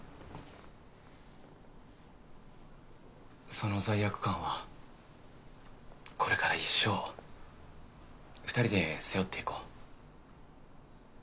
その罪悪感はこれから一生２人で背負っていこう。